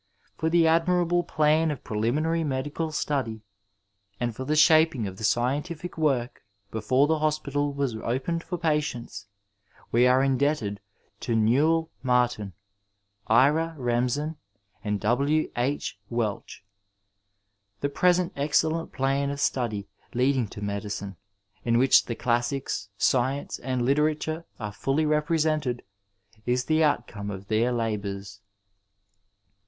For the admirable plan of preliminary medical study, and for the shaping of the scientific work before the hospital was opened for patients, we are indebted to Newell Martin, Ira Remsen and W. H. Welch. The present excellent plan of study leading to medicine, in which the classics, sdence and literature are fully represented, is the outcome of their labours.